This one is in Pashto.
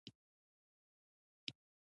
هغه د معنوي استاد رول لري.